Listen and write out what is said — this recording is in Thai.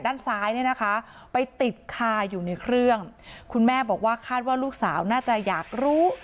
ด้านซ้ายเนี่ยนะคะไปติดคาอยู่ในเครื่องคุณแม่บอกว่าคาดว่าลูกสาวน่าจะอยากรู้